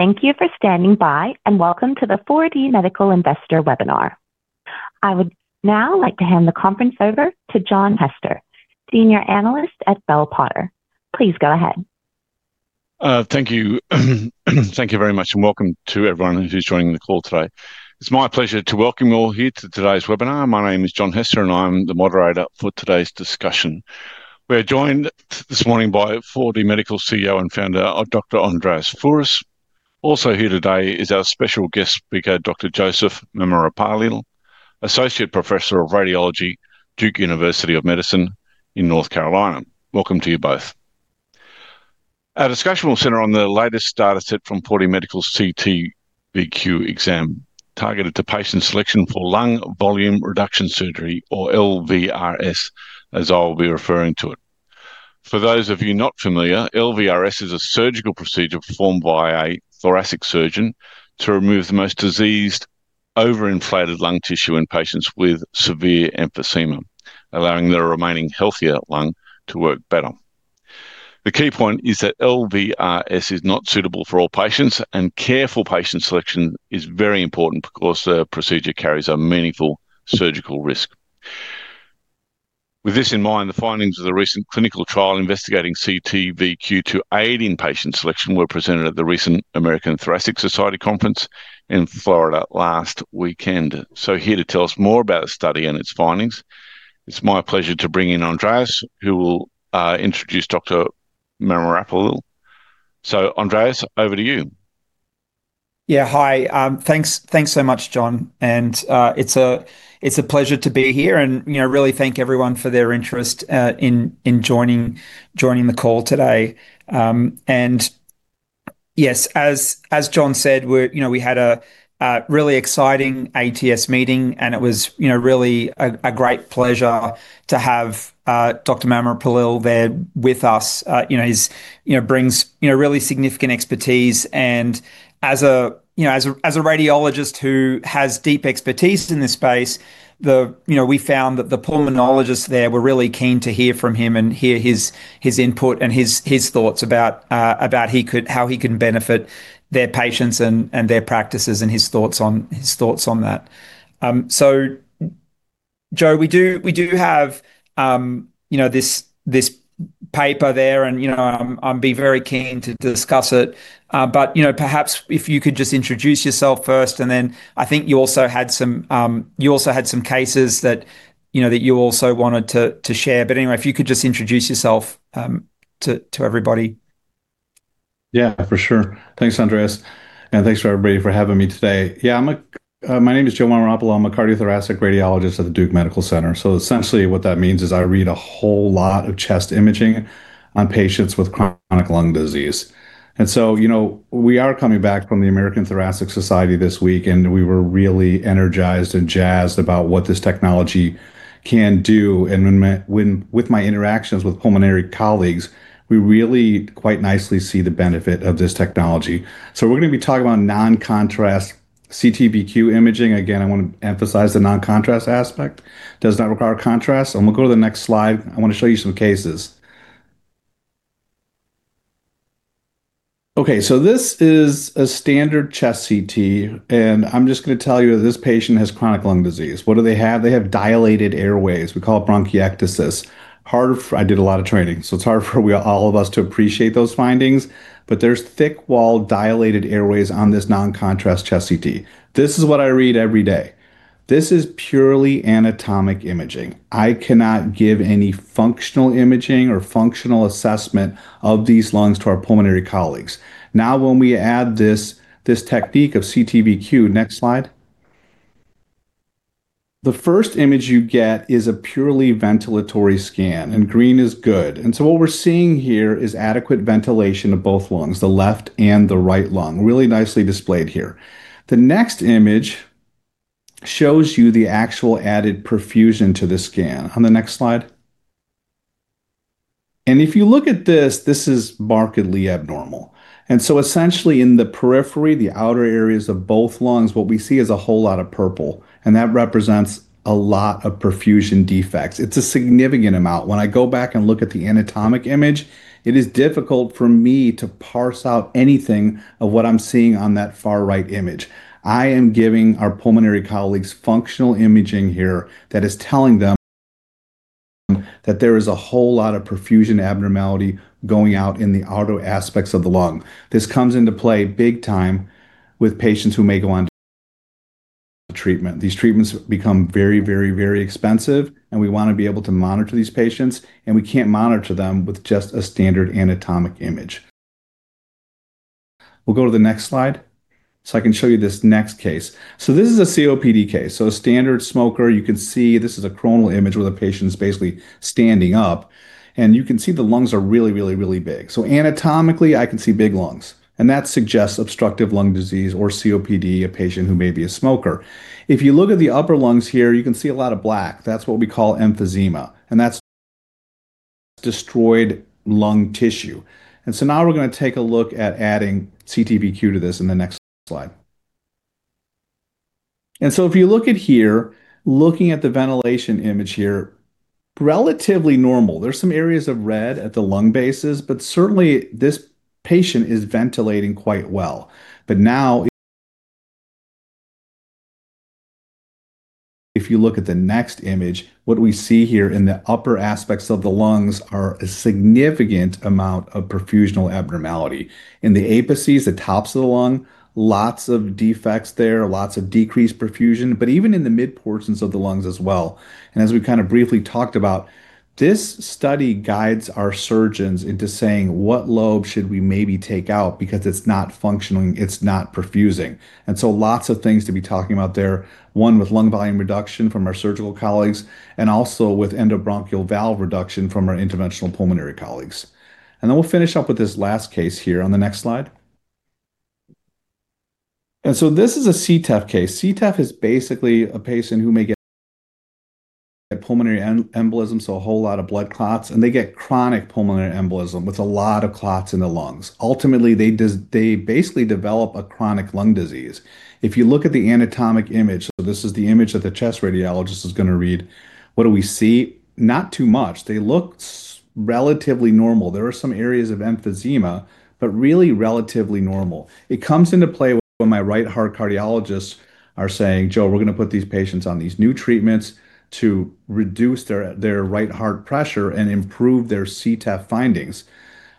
Thank you for standing by, welcome to the 4DMedical investor webinar. I would now like to hand the conference over to John Hester, Senior Analyst at Bell Potter. Please go ahead. Thank you very much, and welcome to everyone who's joining the call today. It's my pleasure to welcome you all here to today's webinar. My name is John Hester, and I'm the moderator for today's discussion. We're joined this morning by 4DMedical CEO and Founder, Dr. Andreas Fouras. Also here today is our special guest speaker, Dr. Joseph Mammarappallil, associate professor of radiology, Duke University School of Medicine in North Carolina. Welcome to you both. Our discussion will center on the latest data set from 4DMedical's CT:VQ exam, targeted to patient selection for lung volume reduction surgery, or LVRS, as I'll be referring to it. For those of you not familiar, LVRS is a surgical procedure performed by a thoracic surgeon to remove the most diseased, over-inflated lung tissue in patients with severe emphysema, allowing their remaining healthier lung to work better. The key point is that LVRS is not suitable for all patients, and careful patient selection is very important because the procedure carries a meaningful surgical risk. With this in mind, the findings of the recent clinical trial investigating CT:VQ to aid in patient selection were presented at the recent American Thoracic Society conference in Florida last weekend. Here to tell us more about the study and its findings, it's my pleasure to bring in Andreas, who will introduce Dr. Mammarappallil. Andreas, over to you. Yeah. Hi. Thanks so much, John. It's a pleasure to be here, really thank everyone for their interest in joining the call today. Yes, as John said, we had a really exciting ATS meeting. It was really a great pleasure to have Dr. Mammarappallil there with us. He brings really significant expertise. As a radiologist who has deep expertise in this space, we found that the pulmonologists there were really keen to hear from him, hear his input and his thoughts about how he can benefit their patients and their practices. His thoughts on that. Joe, we do have this paper there, I'd be very keen to discuss it. Perhaps if you could just introduce yourself first, then I think you also had some cases that you also wanted to share. Anyway, if you could just introduce yourself to everybody. Yeah, for sure. Thanks, Andreas, and thanks for everybody for having me today. Yeah, my name is Joe Mammarappallil. I'm a cardiothoracic radiologist at the Duke University Medical Center. Essentially, what that means is I read a whole lot of chest imaging on patients with chronic lung disease. We are coming back from the American Thoracic Society this week, and we were really energized and jazzed about what this technology can do. With my interactions with pulmonary colleagues, we really quite nicely see the benefit of this technology. We're going to be talking about non-contrast CT:VQ imaging. Again, I want to emphasize the non-contrast aspect. Does not require contrast, and we'll go to the next slide. I want to show you some cases. Okay, this is a standard chest CT, and I'm just going to tell you that this patient has chronic lung disease. What do they have? They have dilated airways. We call it bronchiectasis. I did a lot of training, so it's hard for all of us to appreciate those findings, but there is thick wall dilated airways on this non-contrast chest CT. This is what I read every day. This is purely anatomic imaging. I cannot give any functional imaging or functional assessment of these lungs to our pulmonary colleagues. When we add this technique of CT:VQ. Next slide. The first image you get is a purely ventilatory scan, and green is good. What we're seeing here is adequate ventilation of both lungs, the left and the right lung. Really nicely displayed here. The next image shows you the actual added perfusion to the scan. On the next slide. If you look at this is markedly abnormal. Essentially in the periphery, the outer areas of both lungs, what we see is a whole lot of purple, and that represents a lot of perfusion defects. It's a significant amount. When I go back and look at the anatomic image, it is difficult for me to parse out anything of what I'm seeing on that far right image. I am giving our pulmonary colleagues functional imaging here that is telling them that there is a whole lot of perfusion abnormality going out in the outer aspects of the lung. This comes into play big time with patients who may go on to treatment. These treatments become very, very, very expensive, and we want to be able to monitor these patients, and we can't monitor them with just a standard anatomic image. We'll go to the next slide so I can show you this next case. This is a COPD case. A standard smoker. You can see this is a coronal image where the patient's basically standing up, and you can see the lungs are really, really, really big. Anatomically, I can see big lungs, and that suggests obstructive lung disease or COPD, a patient who may be a smoker. If you look at the upper lungs here, you can see a lot of black. That's what we call emphysema, and that's destroyed lung tissue. Now we're going to take a look at adding CT:VQ to this in the next slide. If you look at here, looking at the ventilation image here, relatively normal. There's some areas of red at the lung bases, but certainly this patient is ventilating quite well. Now, if you look at the next image, what we see here in the upper aspects of the lungs are a significant amount of perfusional abnormality. In the apices, the tops of the lung, lots of defects there, lots of decreased perfusion, but even in the mid portions of the lungs as well. As we briefly talked about, this study guides our surgeons into saying what lobe should we maybe take out because it's not functioning, it's not perfusing. Lots of things to be talking about there. One with lung volume reduction from our surgical colleagues, and also with endobronchial valve reduction from our interventional pulmonary colleagues. We'll finish up with this last case here on the next slide. This is a CTEPH case. CTEPH is basically a patient who may get pulmonary embolism, so a whole lot of blood clots, and they get chronic pulmonary embolism with a lot of clots in the lungs. Ultimately, they basically develop a chronic lung disease. If you look at the anatomic image, so this is the image that the chest radiologist is going to read, what do we see? Not too much. They look relatively normal. There are some areas of emphysema, really relatively normal. It comes into play when my right heart cardiologists are saying, "Joe, we're going to put these patients on these new treatments to reduce their right heart pressure and improve their CTEPH findings."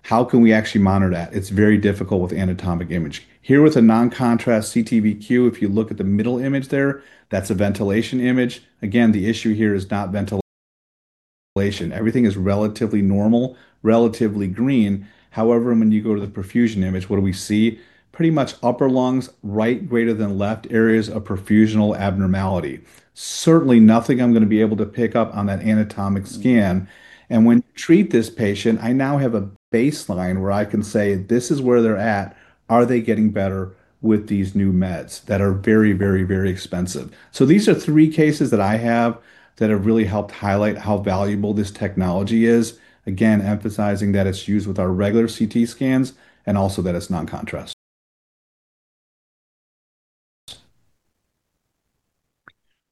How can we actually monitor that? It's very difficult with anatomic image. Here with a non-contrast CT:VQ, if you look at the middle image there, that's a ventilation image. Again, the issue here is not ventilation. Everything is relatively normal, relatively green. However, when you go to the perfusion image, what do we see? Pretty much upper lungs, right greater than left, areas of perfusional abnormality. Certainly nothing I'm going to be able to pick up on that anatomic scan. When you treat this patient, I now have a baseline where I can say, "This is where they're at. Are they getting better with these new meds that are very, very, very expensive?" These are 3 cases that I have that have really helped highlight how valuable this technology is. Again, emphasizing that it's used with our regular CT scans and also that it's non-contrast.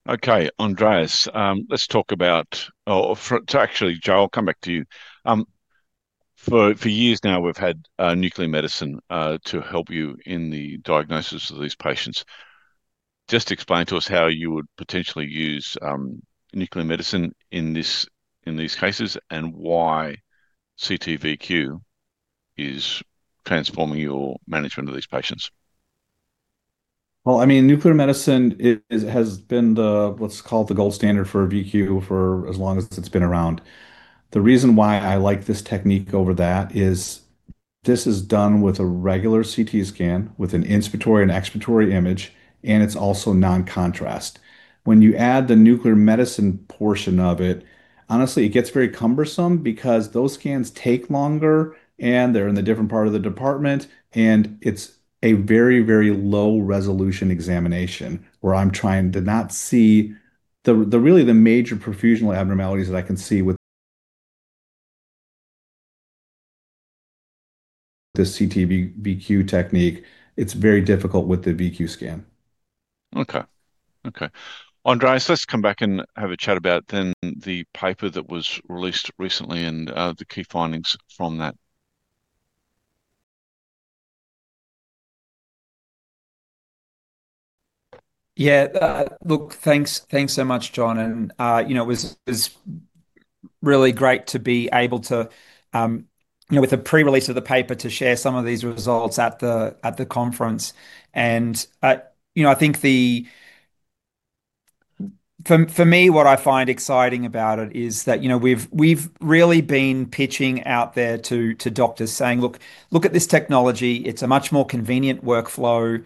Okay, Andreas, or actually, Joe, I'll come back to you. For years now, we've had nuclear medicine to help you in the diagnosis of these patients. Just explain to us how you would potentially use nuclear medicine in these cases and why CT:VQ is transforming your management of these patients. Well, nuclear medicine has been what's called the gold standard for VQ for as long as it's been around. The reason why I like this technique over that is this is done with a regular CT scan, with an inspiratory and expiratory image, and it's also non-contrast. When you add the nuclear medicine portion of it, honestly, it gets very cumbersome because those scans take longer, and they're in the different part of the department, and it's a very, very low-resolution examination where I'm trying to not see the really major perfusional abnormalities that I can see with the CT:VQ technique. It's very difficult with the VQ scan. Okay. Andreas, let's come back and have a chat about then the paper that was released recently and the key findings from that. Yeah. Look, thanks so much, John. It was really great to be able to, with the pre-release of the paper, to share some of these results at the conference. I think for me, what I find exciting about it is that we've really been pitching out there to doctors saying, "Look at this technology. It's a much more convenient workflow.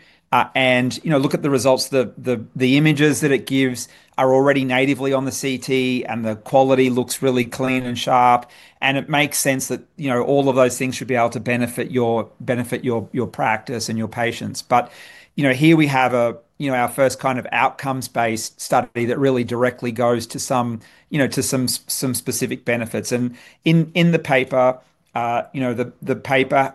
Look at the results. The images that it gives are already natively on the CT, and the quality looks really clean and sharp, and it makes sense that all of those things should be able to benefit your practice and your patients." Here we have our first kind of outcomes-based study that really directly goes to some specific benefits. In the paper, the paper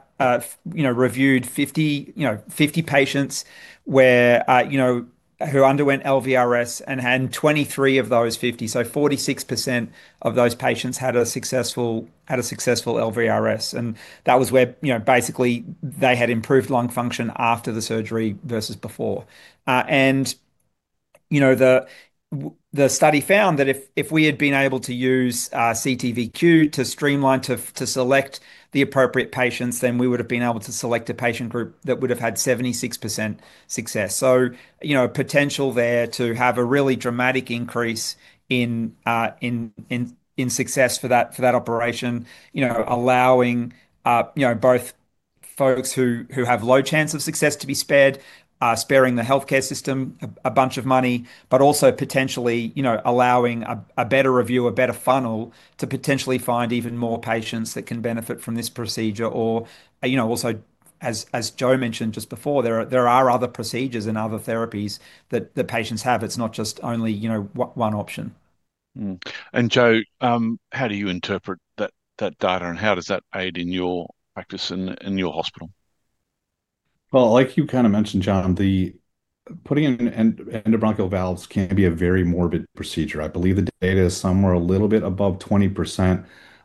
reviewed 50 patients who underwent LVRS, and had 23 of those 50, so 46% of those patients had a successful LVRS. That was where, basically, they had improved lung function after the surgery versus before. The study found that if we had been able to use CT:VQ to streamline, to select the appropriate patients, we would have been able to select a patient group that would have had 76% success. Potential there to have a really dramatic increase in success for that operation, allowing both folks who have low chance of success to be spared, sparing the healthcare system a bunch of money, but also potentially allowing a better review, a better funnel to potentially find even more patients that can benefit from this procedure. Also as Joe mentioned just before, there are other procedures and other therapies that the patients have. It is not just only one option. Mm-hmm. Joe, how do you interpret that data, and how does that aid in your practice in your hospital? Well, like you kind of mentioned, John, putting in endobronchial valves can be a very morbid procedure. I believe the data is somewhere a little bit above 20%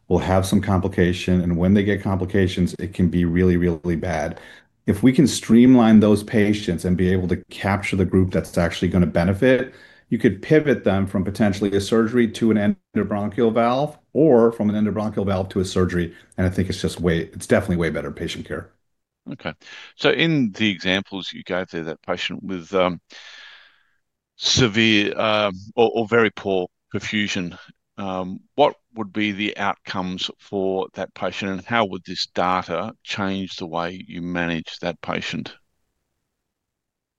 will have some complication. When they get complications, it can be really, really bad. If we can streamline those patients and be able to capture the group that's actually going to benefit, you could pivot them from potentially a surgery to an endobronchial valve, or from an endobronchial valve to a surgery. I think it's definitely way better patient care. Okay. In the examples you gave there, that patient with severe or very poor perfusion, what would be the outcomes for that patient, and how would this data change the way you manage that patient?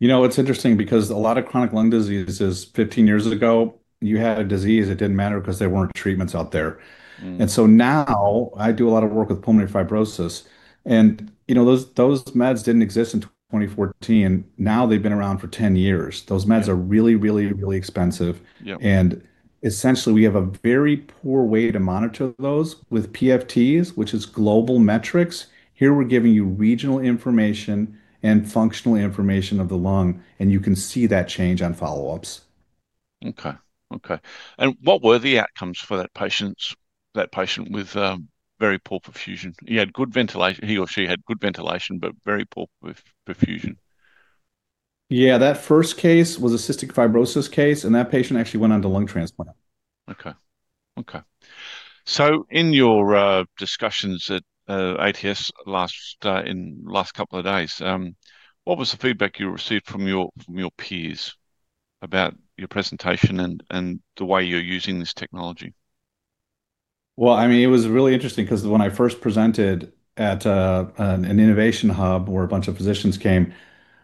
It's interesting because a lot of chronic lung diseases, 15 years ago, you had a disease, it didn't matter because there weren't treatments out there. Now I do a lot of work with pulmonary fibrosis, and those meds didn't exist in 2014. Now they've been around for 10 years. Those meds are really, really, really expensive. Yeah. Essentially we have a very poor way to monitor those with PFTs, which is global metrics. Here we're giving you regional information and functional information of the lung, and you can see that change on follow-ups. Okay. What were the outcomes for that patient with very poor perfusion? He or she had good ventilation, but very poor perfusion. Yeah. That first case was a cystic fibrosis case, and that patient actually went on to lung transplant. In your discussions at ATS in last couple of days, what was the feedback you received from your peers about your presentation and the way you're using this technology? Well, it was really interesting because when I first presented at an innovation hub where a bunch of physicians came,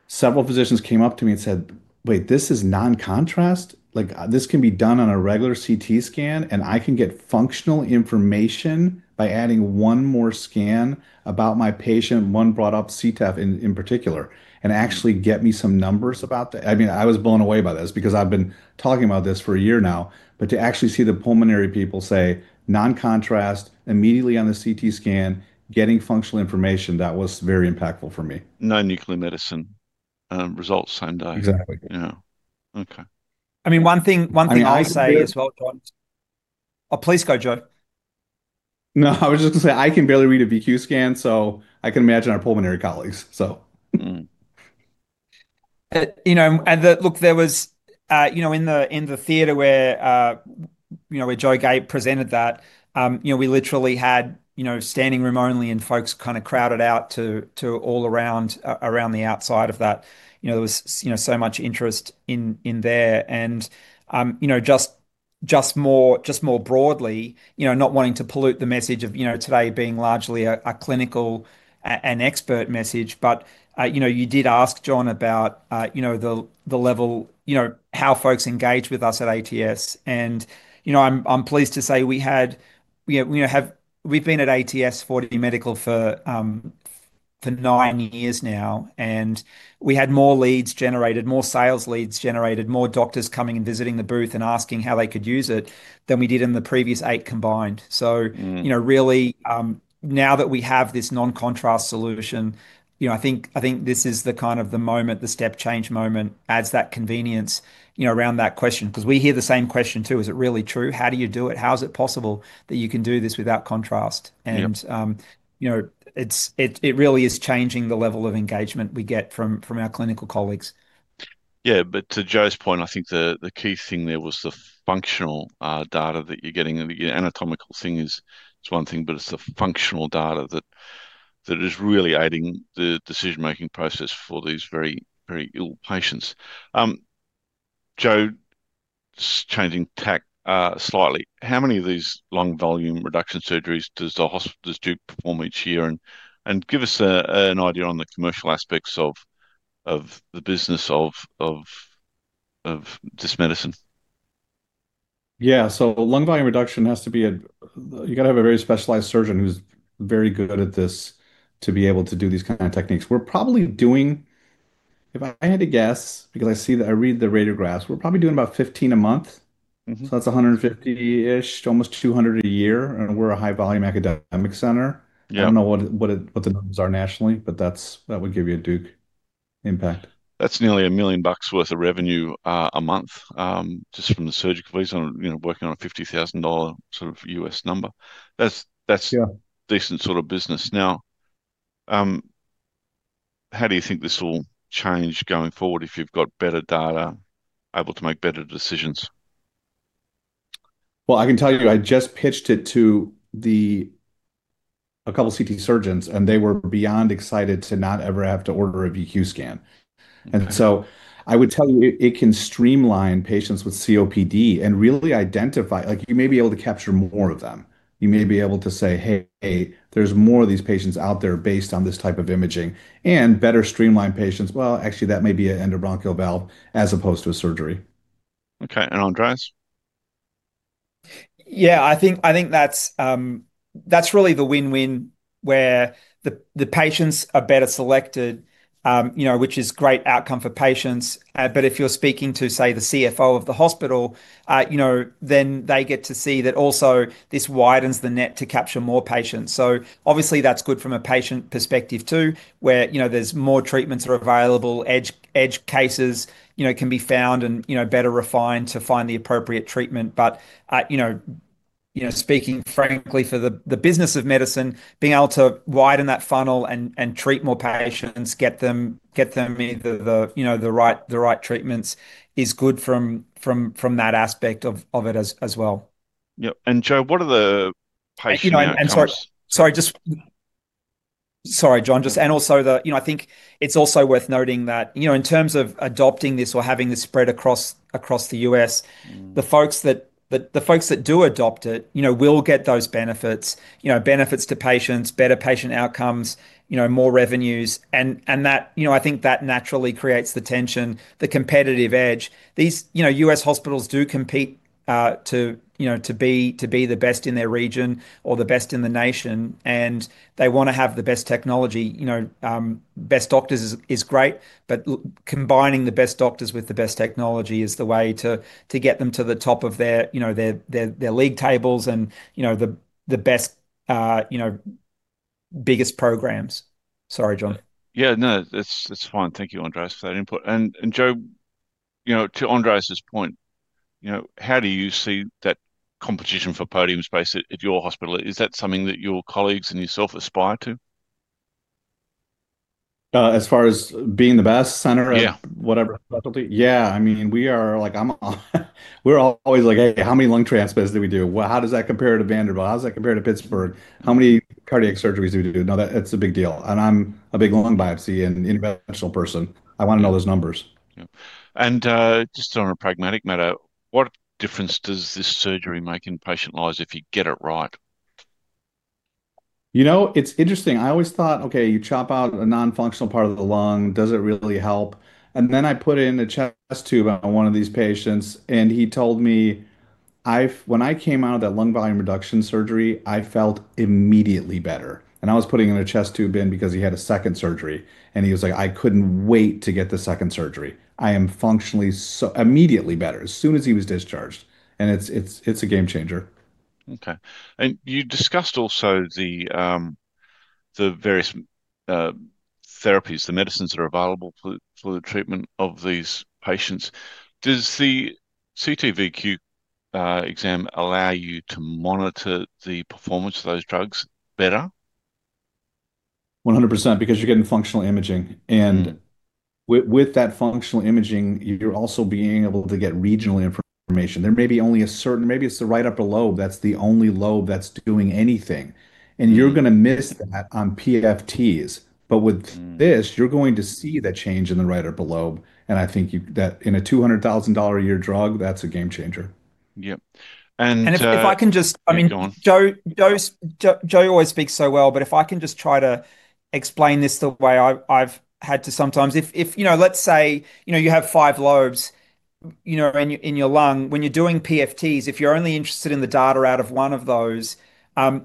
several physicians came up to me and said, "Wait, this is non-contrast? This can be done on a regular CT scan, and I can get functional information by adding one more scan about my patient," and one brought up CTEPH in particular, "and actually get me some numbers about that?" I was blown away by this because I've been talking about this for a year now, but to actually see the pulmonary people say non-contrast immediately on the CT scan, getting functional information, that was very impactful for me. No nuclear medicine results same day. Exactly. Yeah. Okay. One thing I'll say as well, John, Oh, please go, Joe. No, I was just going to say, I can barely read a VQ scan, so I can imagine our pulmonary colleagues. Mm-hmm. Look, in the theater where Joe presented that, we literally had standing room only, and folks kind of crowded out to all around the outside of that. There was so much interest in there. Just more broadly, not wanting to pollute the message of today being largely a clinical and expert message, but you did ask, John Hester, about the level, how folks engage with us at ATS. I'm pleased to say, we've been at ATS 4DMedical for nine years now, and we had more leads generated, more sales leads generated, more doctors coming and visiting the booth and asking how they could use it than we did in the previous eight combined. Really, now that we have this non-contrast solution, I think this is the kind of the moment, the step change moment, adds that convenience around that question. We hear the same question, too. Is it really true? How do you do it? How is it possible that you can do this without contrast? Yeah. It really is changing the level of engagement we get from our clinical colleagues. To Joe's point, I think the key thing there was the functional data that you're getting. The anatomical thing is one thing, but it's the functional data that is really aiding the decision-making process for these very ill patients. Joe, changing tack slightly, how many of these lung volume reduction surgeries does Duke perform each year? Give us an idea on the commercial aspects of the business of this medicine. Yeah. Lung volume reduction, you've got to have a very specialized surgeon who's very good at this to be able to do these kind of techniques. If I had to guess, because I read the radiographs, we're probably doing about 15 a month. That's 150-ish, almost 200 a year. We're a high volume academic center. Yeah. I don't know what the numbers are nationally, but that would give you a Duke impact. That's nearly 1 million bucks worth of revenue a month, just from the surgical fees on working on a $50,000 sort of U.S. number. Yeah decent sort of business. Now, how do you think this will change going forward if you've got better data, able to make better decisions? Well, I can tell you, I just pitched it to a couple of CT surgeons. They were beyond excited to not ever have to order a VQ scan. Okay. I would tell you, it can streamline patients with COPD and really identify, you may be able to capture more of them. You may be able to say, "Hey, there's more of these patients out there based on this type of imaging." Better streamline patients, "Well, actually, that may be an endobronchial valve as opposed to a surgery. Okay. Andreas? Yeah, I think that's really the win-win where the patients are better selected, which is great outcome for patients. If you're speaking to, say, the CFO of the hospital, they get to see that also this widens the net to capture more patients. Obviously that's good from a patient perspective too, where there's more treatments that are available, edge cases can be found and better refined to find the appropriate treatment. Speaking frankly for the business of medicine, being able to widen that funnel and treat more patients, get them the right treatments is good from that aspect of it as well. Yep. Joe, what are the patient outcomes? Sorry, John. I think it's also worth noting that in terms of adopting this or having this spread across the U.S., the folks that do adopt it will get those benefits. Benefits to patients, better patient outcomes, more revenues, and I think that naturally creates the tension, the competitive edge. U.S. hospitals do compete to be the best in their region or the best in the nation, and they want to have the best technology. Best doctors is great, but combining the best doctors with the best technology is the way to get them to the top of their league tables and the best, biggest programs. Sorry, John. Yeah, no. It's fine. Thank you, Andreas, for that input. Joe, to Andreas' point, how do you see that competition for podium space at your hospital? Is that something that your colleagues and yourself aspire to? As far as being the best center- Yeah whatever faculty? Yeah. We're always like, "Hey, how many lung transplants did we do? Well, how does that compare to Vanderbilt? How does that compare to Pittsburgh? How many cardiac surgeries did we do?" No, that's a big deal, and I'm a big lung biopsy and interventional person. I want to know those numbers. Yeah. Just on a pragmatic matter, what difference does this surgery make in patient lives if you get it right? It's interesting. I always thought, okay, you chop out a non-functional part of the lung, does it really help? Then I put in a chest tube on one of these patients, and he told me, "When I came out of that lung volume reduction surgery, I felt immediately better." I was putting another chest tube in because he had a second surgery, and he was like, "I couldn't wait to get the second surgery. I am immediately better." As soon as he was discharged. It's a game changer. Okay. you discussed also the various therapies, the medicines that are available for the treatment of these patients. Does the CT:VQ exam allow you to monitor the performance of those drugs better? 100%, because you're getting functional imaging, and with that functional imaging, you're also being able to get regional information. There may be only maybe it's the right upper lobe that's the only lobe that's doing anything, and you're going to miss that on PFTs. With this, you're going to see the change in the right upper lobe, and I think that in a 200,000 dollar a year drug, that's a game changer. Yep. And if I can just- Yeah, go on. Joe always speaks so well. If I can just try to explain this the way I've had to sometimes. Let's say you have 5 lobes in your lung. When you're doing PFTs, if you're only interested in the data out of 1 of those, the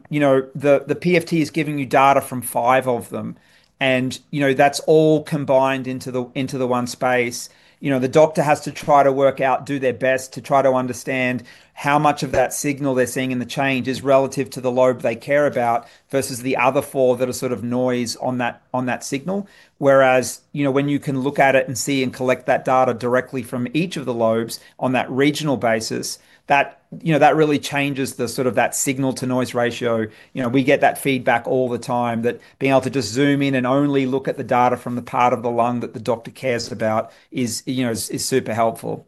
PFT is giving you data from five of them, and that's all combined into the one space. The doctor has to try to work out, do their best to try to understand how much of that signal they're seeing in the change is relative to the lobe they care about versus the other four that are sort of noise on that signal. When you can look at it and see and collect that data directly from each of the lobes on that regional basis, that really changes that signal-to-noise ratio. We get that feedback all the time, that being able to just zoom in and only look at the data from the part of the lung that the doctor cares about is super helpful.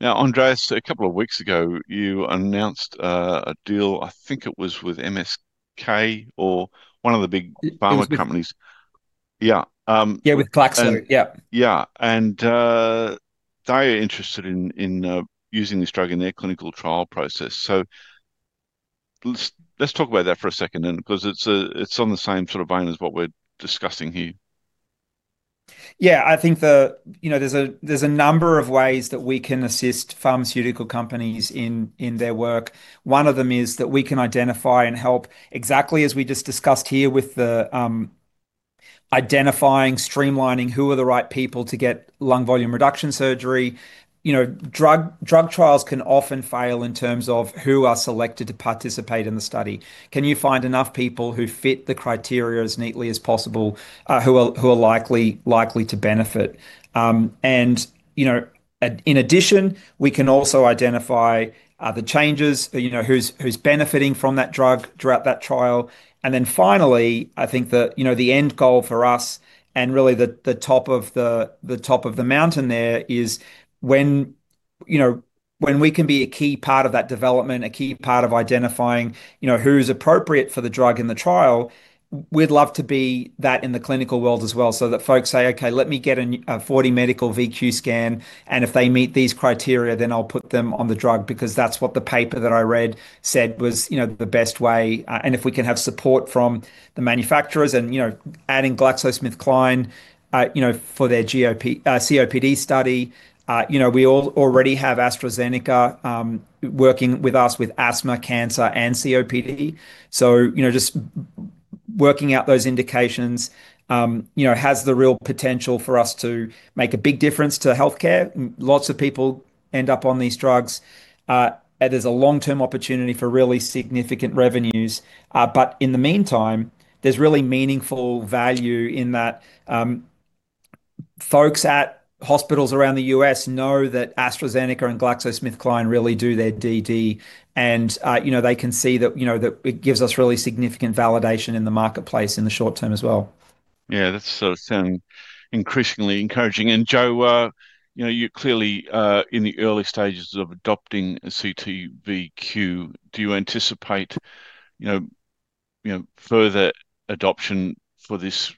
Now, Andreas, a couple of weeks ago, you announced a deal, I think it was with GSK or one of the big pharma companies. Yeah, with Glaxo. Yep. Yeah. They are interested in using this drug in their clinical trial process. Let's talk about that for a second then, because it's on the same sort of vein as what we're discussing here. Yeah. I think there's a number of ways that we can assist pharmaceutical companies in their work. One of them is that we can identify and help, exactly as we just discussed here with the identifying, streamlining who are the right people to get lung volume reduction surgery. drug trials can often fail in terms of who are selected to participate in the study. Can you find enough people who fit the criteria as neatly as possible who are likely to benefit? In addition, we can also identify the changes, who's benefiting from that drug throughout that trial. Finally, I think the end goal for us and really the top of the mountain there is when we can be a key part of that development, a key part of identifying who's appropriate for the drug in the trial. We'd love to be that in the clinical world as well, so that folks say, "Okay, let me get a 4DMedical VQ scan, and if they meet these criteria, then I'll put them on the drug because that's what the paper that I read said was the best way." If we can have support from the manufacturers and adding GlaxoSmithKline for their COPD study. We already have AstraZeneca working with us with asthma, cancer, and COPD. Just working out those indications has the real potential for us to make a big difference to healthcare. Lots of people end up on these drugs. It is a long-term opportunity for really significant revenues. In the meantime, there's really meaningful value in that. Folks at hospitals around the U.S. know that AstraZeneca and GlaxoSmithKline really do their DD, and they can see that it gives us really significant validation in the marketplace in the short term as well. Yeah. That's sort of sounding increasingly encouraging. Joe, you're clearly in the early stages of adopting a CT:VQ. Do you anticipate further adoption for this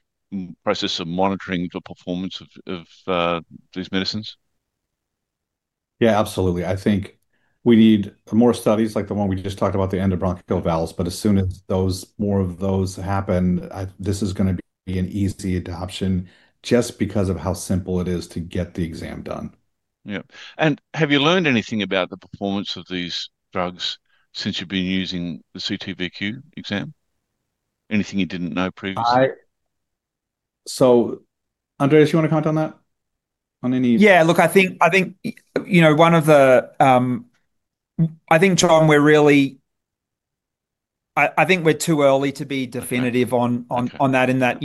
process of monitoring the performance of these medicines? Yeah, absolutely. I think we need more studies like the one we just talked about, the endobronchial valves. As soon as more of those happen, this is going to be an easy adoption just because of how simple it is to get the exam done. Yep. Have you learned anything about the performance of these drugs since you've been using the CT:VQ exam? Anything you didn't know previously? Andreas, you want to comment on that? Yeah. Look, I think, Joseph, I think we're too early to be definitive. Okay On that, in that,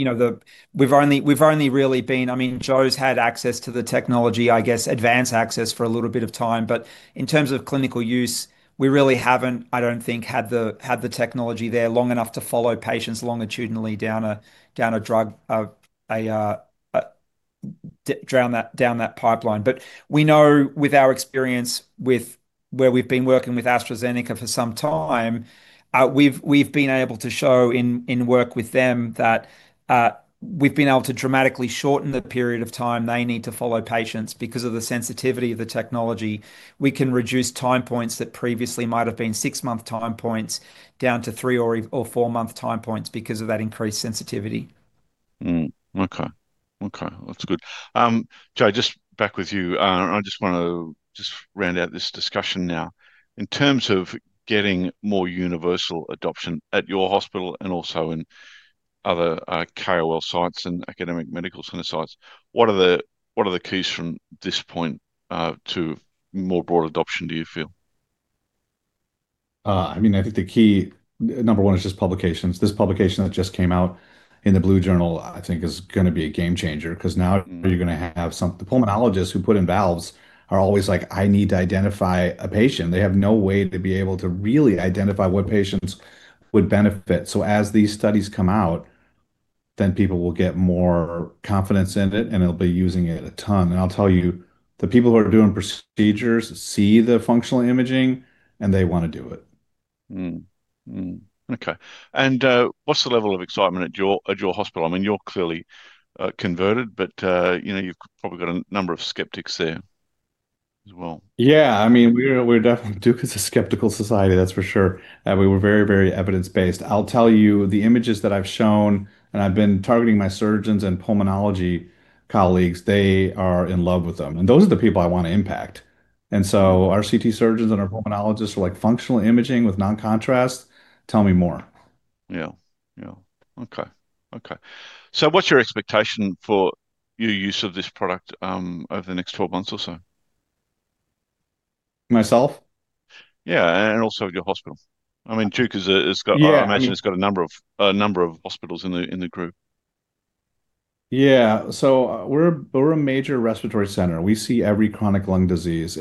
Joe's had access to the technology, I guess, advance access for a little bit of time. In terms of clinical use, we really haven't, I don't think, had the technology there long enough to follow patients longitudinally down a drug, down that pipeline. We know with our experience with where we've been working with AstraZeneca for some time, we've been able to show in work with them that we've been able to dramatically shorten the period of time they need to follow patients because of the sensitivity of the technology. We can reduce time points that previously might've been six-month time points down to three or four-month time points because of that increased sensitivity. Okay. Well, that's good. Joe, just back with you. I just want to round out this discussion now. In terms of getting more universal adoption at your hospital and also in other KOL sites and academic medical center sites, what are the keys from this point to more broad adoption, do you feel? I think the key, number one, is just publications. This publication that just came out in the "Blue Journal" I think is going to be a game changer, because now you're going to have the pulmonologists who put in valves are always like, "I need to identify a patient." They have no way to be able to really identify what patients would benefit. As these studies come out, then people will get more confidence in it, and they'll be using it a ton. I'll tell you, the people who are doing procedures see the functional imaging, and they want to do it. Okay. What's the level of excitement at your hospital? You're clearly converted, but you've probably got a number of skeptics there as well. Yeah. Duke is a skeptical society, that's for sure. We were very, very evidence-based. I'll tell you, the images that I've shown, I've been targeting my surgeons and pulmonology colleagues, they are in love with them. Those are the people I want to impact. Our CT surgeons and our pulmonologists are like, "Functional imaging with non-contrast? Tell me more. Yeah. Okay. What's your expectation for your use of this product over the next 12 months or so? Myself? Yeah, also of your hospital. Yeah I imagine it's got a number of hospitals in the group. Yeah. We're a major respiratory center. We see every chronic lung disease.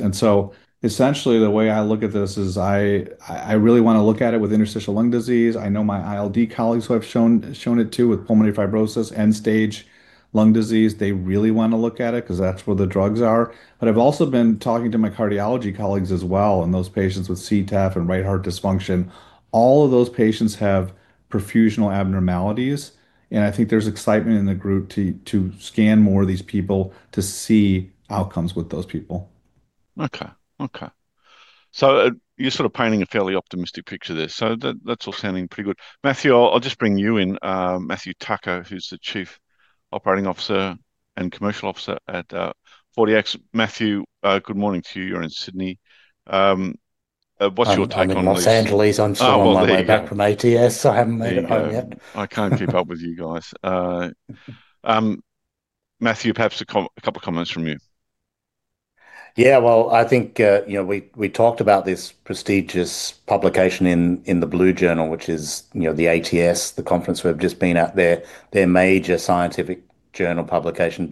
Essentially the way I look at this is I really want to look at it with interstitial lung disease. I know my ILD colleagues who I've shown it to with pulmonary fibrosis, end-stage lung disease. They really want to look at it because that's where the drugs are. I've also been talking to my cardiology colleagues as well, and those patients with CTEPH and right heart dysfunction. All of those patients have perfusional abnormalities, and I think there's excitement in the group to scan more of these people to see outcomes with those people. Okay. You're sort of painting a fairly optimistic picture there. That's all sounding pretty good. Matt, I'll just bring you in. Matt Tucker, who's the Chief Operating Officer and Commercial Officer at 4DMedical. Matt, good morning to you. You're in Sydney. What's your take on this? I'm in Los Angeles. Oh, well there you go. on my way back from ATS. I haven't made it home yet. There you go. I can't keep up with you guys. Matt, perhaps a couple comments from you. Well, I think we talked about this prestigious publication in the "Blue Journal," which is the ATS, the conference we have just been at, their major scientific journal publication.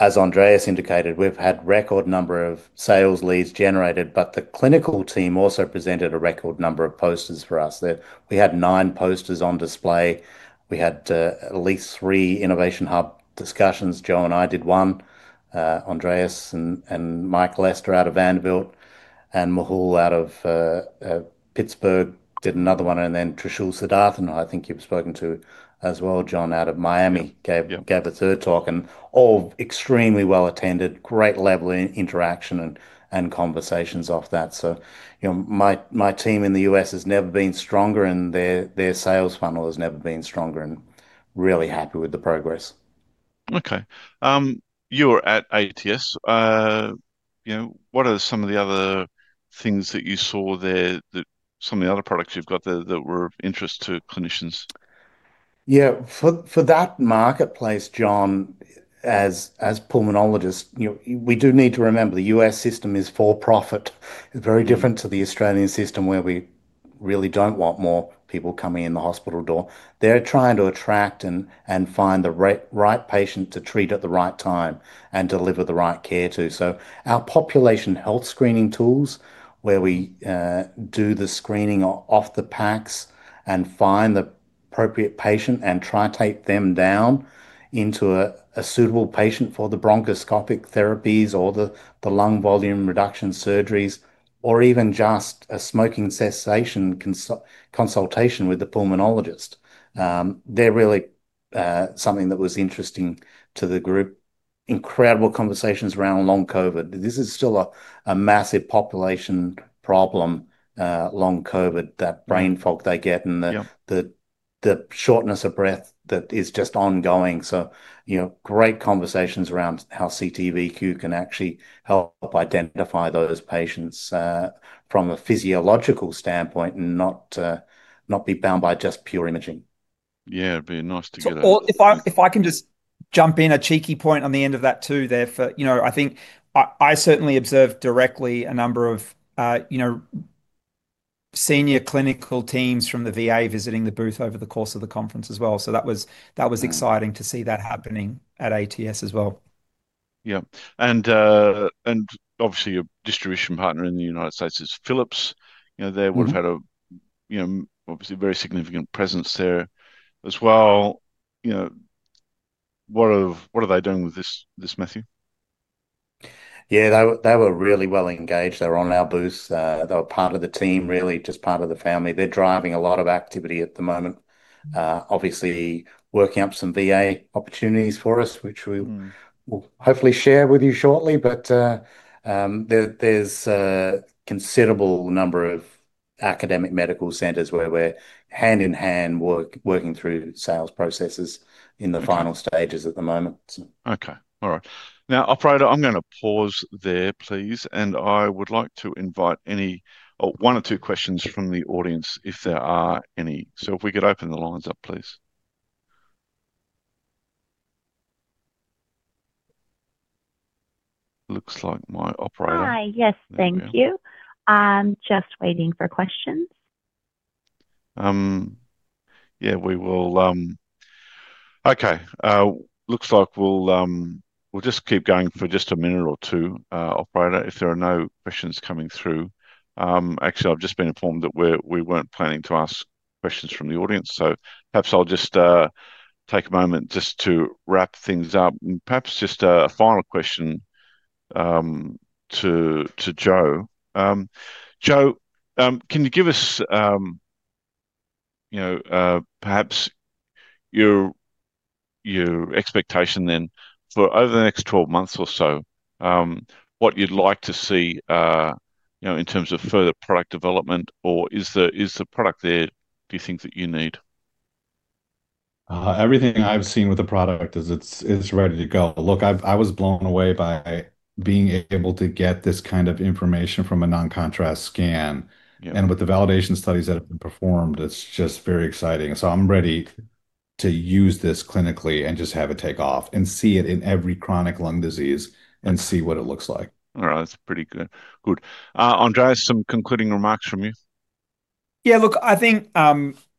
As Andreas indicated, we've had record number of sales leads generated, but the clinical team also presented a record number of posters for us. We had nine posters on display. We had at least three innovation hub discussions. Joe and I did one. Andreas and Mike Lester out of Vanderbilt, and Mehul out of Pittsburgh did another one, Trishul Siddharthan, who I think you've spoken to as well, John, out of Miami. Yep gave a third talk. All extremely well attended. Great level of interaction and conversations off that. My team in the U.S. has never been stronger, and their sales funnel has never been stronger, and really happy with the progress. You were at ATS. What are some of the other things that you saw there, some of the other products you've got there that were of interest to clinicians? Yeah. For that marketplace, John, as pulmonologists, we do need to remember the U.S. system is for profit. Very different to the Australian system where we really don't want more people coming in the hospital door. They're trying to attract and find the right patient to treat at the right time, and deliver the right care too. Our population health screening tools, where we do the screening off the PACS and find the appropriate patient and try and take them down into a suitable patient for the bronchoscopic therapies or the lung volume reduction surgeries, or even just a smoking cessation consultation with the pulmonologist. They're really something that was interesting to the group. Incredible conversations around long COVID. This is still a massive population problem, long COVID. That brain fog they get. Yeah The shortness of breath that is just ongoing. Great conversations around how CT:VQ can actually help identify those patients, from a physiological standpoint and not be bound by just pure imaging. Yeah. It'd be nice to get. If I can just jump in, a cheeky point on the end of that too there. I think I certainly observed directly a number of senior clinical teams from the VA visiting the booth over the course of the conference as well. That was exciting to see that happening at ATS as well. Yeah. Obviously your distribution partner in the U.S. is Philips. They would've had obviously very significant presence there as well. What are they doing with this, Matt? They were really well engaged. They were on our booth. They were part of the team really, just part of the family. They're driving a lot of activity at the moment. Obviously working up some VA opportunities for us, which we. will hopefully share with you shortly. There's a considerable number of academic medical centers where we're hand-in-hand working through sales processes in the final stages at the moment. Okay. All right. Operator, I'm going to pause there please, and I would like to invite one or two questions from the audience if there are any. If we could open the lines up, please. Hi. Yes, thank you. There we go. Just waiting for questions. Yeah. Okay. Looks like we'll just keep going for just a minute or two, operator, if there are no questions coming through. I've just been informed that we weren't planning to ask questions from the audience, so perhaps I'll just take a moment just to wrap things up. Perhaps just a final question to Joe. Joe, can you give us perhaps your expectation then for over the next 12 months or so, what you'd like to see in terms of further product development, or is the product there, do you think, that you need? Everything I've seen with the product is it's ready to go. Look, I was blown away by being able to get this kind of information from a non-contrast scan. Yeah. With the validation studies that have been performed, it's just very exciting. I'm ready to use this clinically and just have it take off, and see it in every chronic lung disease and see what it looks like. All right. That's pretty good. Good. Andreas, some concluding remarks from you? Yeah, look, I think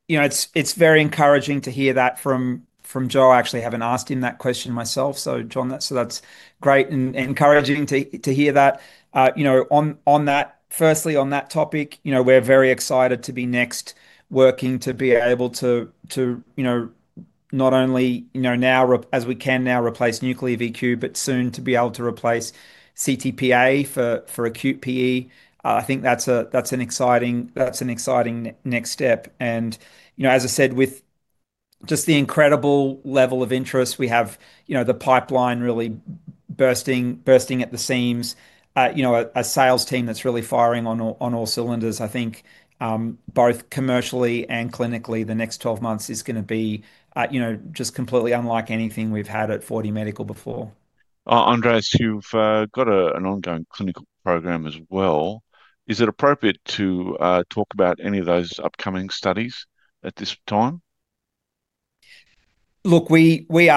it's very encouraging to hear that from Joe. I actually haven't asked him that question myself. John, that's great and encouraging to hear that. On that, firstly, on that topic, we're very excited to be next working to be able to not only now, as we can now replace nuclear VQ, but soon to be able to replace CTPA for acute PE. As I said, with just the incredible level of interest we have, the pipeline really bursting at the seams. A sales team that's really firing on all cylinders. I think, both commercially and clinically, the next 12 months is going to be just completely unlike anything we've had at 4DMedical before. Andreas, you've got an ongoing clinical program as well. Is it appropriate to talk about any of those upcoming studies at this time? Look, we're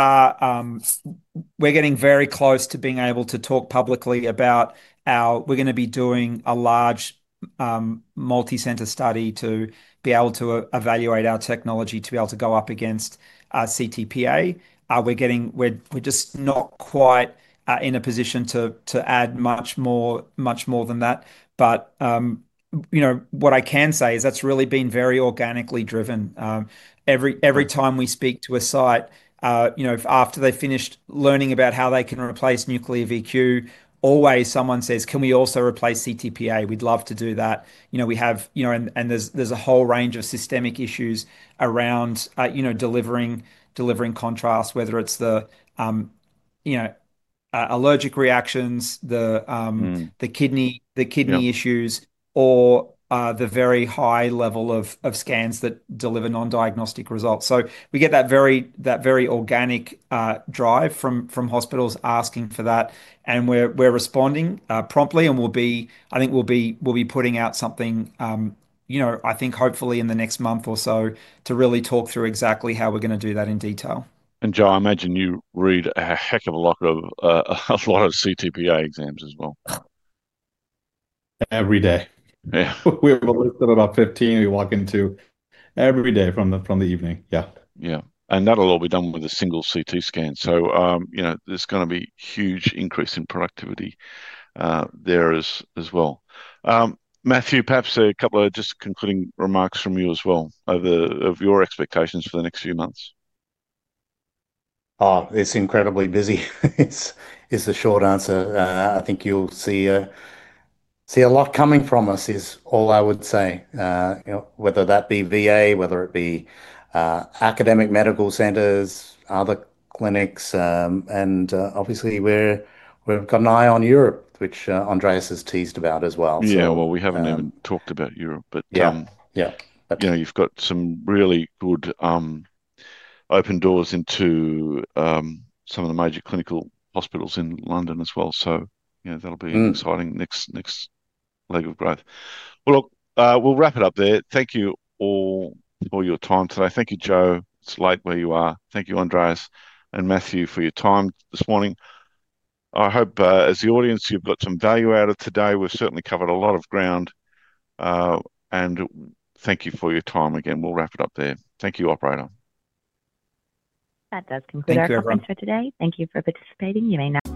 getting very close to being able to talk publicly. We're going to be doing a large multi-center study to be able to evaluate our technology, to be able to go up against CTPA. We're just not quite in a position to add much more than that. What I can say is that's really been very organically driven. Every time we speak to a site, after they've finished learning about how they can replace nuclear VQ, always someone says, "Can we also replace CTPA?" We'd love to do that. There's a whole range of systemic issues around delivering contrasts, whether it's the allergic reactions. the kidney issues, or the very high level of scans that deliver non-diagnostic results. We get that very organic drive from hospitals asking for that, and we're responding promptly, and I think we'll be putting out something, I think hopefully in the next month or so to really talk through exactly how we're going to do that in detail. Joseph, I imagine you read a heck of a lot of CTPA exams as well. Every day. Yeah. We have a list of about 15 we walk into every day from the evening. Yeah. Yeah. That'll all be done with a single CT scan. There's going to be huge increase in productivity there as well. Matthew, perhaps a couple of just concluding remarks from you as well of your expectations for the next few months. Oh, it's incredibly busy is the short answer. I think you'll see a lot coming from us is all I would say. Whether that be VA, whether it be academic medical centers, other clinics, obviously we've got an eye on Europe, which Andreas has teased about as well. Yeah. Well, we haven't even talked about Europe. Yeah You've got some really good open doors into some of the major clinical hospitals in London as well. That'll be an exciting next leg of growth. We'll wrap it up there. Thank you all for your time today. Thank you, Joe. It's late where you are. Thank you, Andreas Fouras and Matt Tucker, for your time this morning. I hope as the audience you've got some value out of today. We've certainly covered a lot of ground. Thank you for your time, again. We'll wrap it up there. Thank you, operator. That does conclude our conference for today. Thank you for participating.